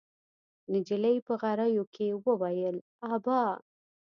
نجلۍ په غريو کې وويل: ابا!